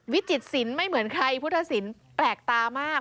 วิจิตศิลป์ไม่เหมือนใครพุทธศิลป์แปลกตามาก